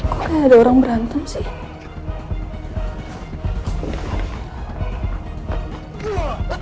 kok gak ada orang berantem sih